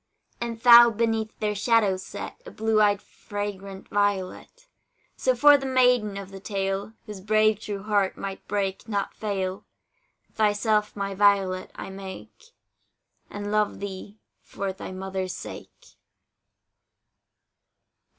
And thou beneath their shadow set, A blue eyed fragrant violet. So for the maiden of the tale, Whose brave true heart might break, not fail, Thyself, my Violet I make, And love thee for thy mother's sake.